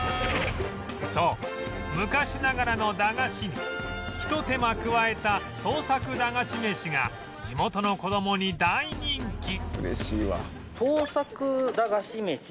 そう昔ながらの駄菓子にひと手間加えた創作駄菓子メシが地元の子どもに大人気